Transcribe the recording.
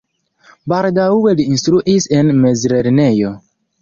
Baldaŭe li instruis en mezlernejo.